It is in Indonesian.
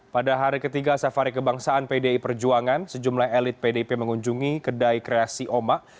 pada hari ketiga safari kebangsaan pdi perjuangan sejumlah elit pdip mengunjungi kedai kreasi oma